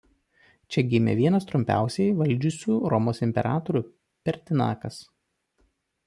Čia gimė vienas trumpiausiai valdžiusių Romos imperatorių Pertinakas.